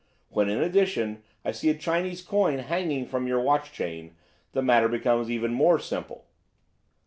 When, in addition, I see a Chinese coin hanging from your watch chain, the matter becomes even more simple."